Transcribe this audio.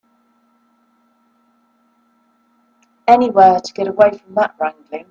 Anywhere to get away from that wrangling.